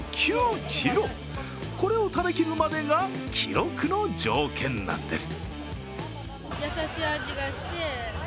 これを食べきるまでが記録の条件なんです。